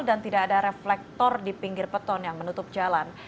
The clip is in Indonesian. dan tidak ada reflektor di pinggir beton yang menutup jalan